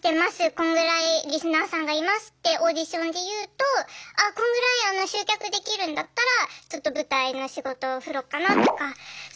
こんぐらいリスナーさんがいますってオーディションで言うとああこんぐらい集客できるんだったらちょっと舞台の仕事を振ろうかなとかそういうのもありますね。